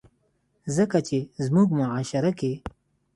ځکه چې زمونږ معاشره کښې